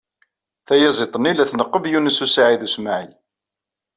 Tayaziḍt-nni la tneqqeb Yunes u Saɛid u Smaɛil.